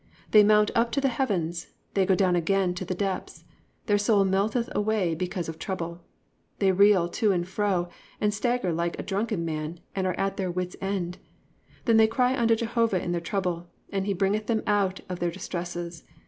(26) They mount up to the heavens, they go down again to the depths: their soul melteth away because of trouble. (27) They reel to and fro, and stagger like a drunken man, and are at their wits' end. (28) Then they cry unto Jehovah in their trouble, and he bringeth them out of their distresses.